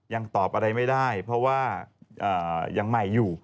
ยังตอบอะไรไม่ได้เพราะว่ายังใหม่อยู่